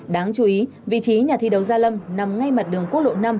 đáng chú ý vị trí nhà thi đấu gia lâm nằm ngay mặt đường quốc lộ năm